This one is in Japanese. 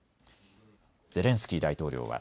ゼレンスキー大統領は。